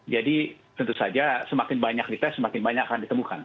jadi tentu saja semakin banyak dites semakin banyak akan ditemukan